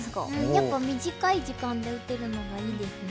やっぱり短い時間で打てるのがいいですね。